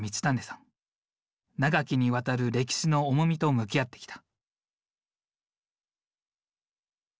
長きにわたる歴史の重みと向き合ってきた。